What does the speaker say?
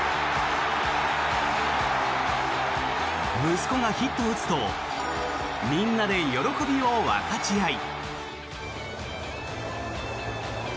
息子がヒットを打つとみんなで喜びを分かち合い。